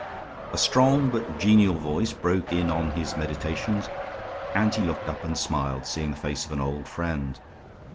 A strong but genial voice broke in on his meditations and he looked up and smiled, seeing the face of an old friend.